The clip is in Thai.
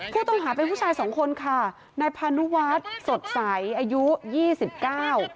ผู้ต้องหาเป็นผู้ชายสองคนค่ะนายพานุวัฒน์สดใสอายุยี่สิบเก้า